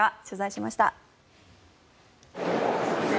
取材しました。